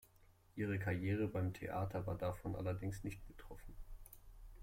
Ihre Karriere beim Theater war davon allerdings nicht betroffen.